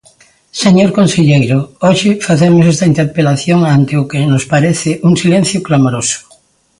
Señor conselleiro, hoxe facemos esta interpelación ante o que nos parece un silencio clamoroso.